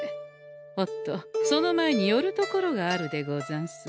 おっとその前に寄る所があるでござんす。